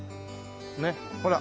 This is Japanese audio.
ねっほら。